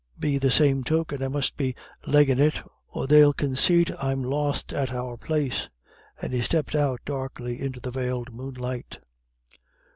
Be the same token I must be leggin' it, or they'll consait I'm lost at our place." And he stepped out darkly into the veiled moonlight.